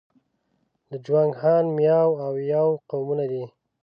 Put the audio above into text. د جوانګ، هان، میاو او یاو قومونه دي.